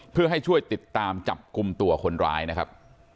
เพื่อให้ช่วยติดตามจับกลุ่มตัวคนร้ายนะครับ